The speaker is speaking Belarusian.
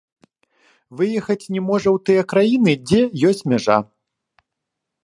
Выехаць не можа ў тыя краіны, дзе ёсць мяжа.